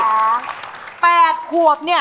ยังเพราะความสำคัญ